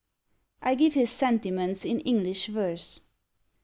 I give his sentiments in English verse.